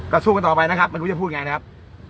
ก็สู้กันต่อไปนะครับไม่รู้จะพูดยังไงนะครับ